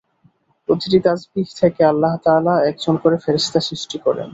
প্রতিটি তাসবীহ থেকে আল্লাহ তাআলা একজন করে ফেরেশতা সৃষ্টি করেন।